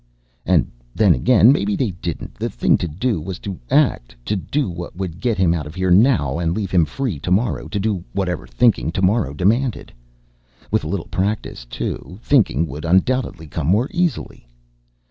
And then again, maybe they didn't. The thing to do was to act, to do what would get him out of here now, and leave him free tomorrow to do whatever thinking tomorrow demanded. With a little practice, too, thinking would undoubtedly come more easily.